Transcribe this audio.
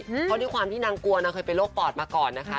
เพราะด้วยความที่นางกลัวนางเคยเป็นโรคปอดมาก่อนนะคะ